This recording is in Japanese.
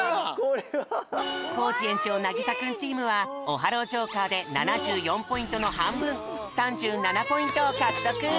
コージ園長なぎさくんチームはオハロージョーカーで７４ポイントのはんぶん３７ポイントをかくとく！